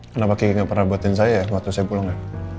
kenapa kiki gak pernah buatin sayur ya waktu saya pulang ya